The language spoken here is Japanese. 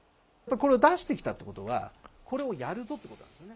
これを出してきたということはこれをやるぞということなんですよね。